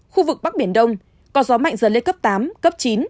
khu vực bắc biển đông có gió mạnh dần lên cấp tám cấp chín